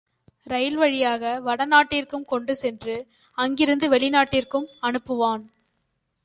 ரயில் வழியாக வட நாட்டிற்கும் கொண்டுசென்று, அங்கிருந்து வெளிநாட்டிற்கும் அனுப்புவான்.